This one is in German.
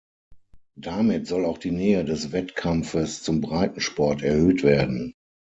Damit soll auch die Nähe des Wettkampfes zum Breitensport erhöht werden.